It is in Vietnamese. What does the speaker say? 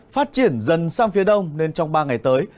phát triển dần sang phía đông nên trong ba ngày tới